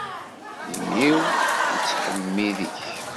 Imi-w ittḥemmid-ik.